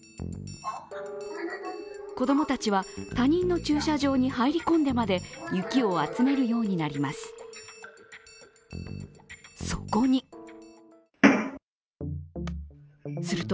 子供たちは他人の駐車場に入り込んでまで雪を集めるようになります。